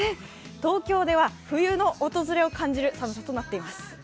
東京では冬の訪れを感じる寒さとなっております。